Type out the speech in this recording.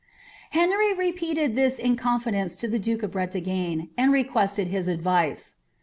Henry repeated this in confidence to the duke of Bretagne, and re quested his advice.